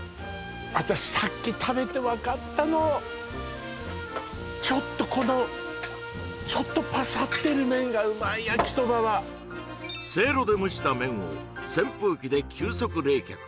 私さっき食べて分かったのちょっとこのちょっとパサってる麺がうまい焼きそばはせいろで蒸した麺を扇風機で急速冷却